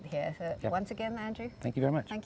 terima kasih banyak banyak